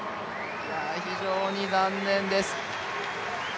非常に残念です。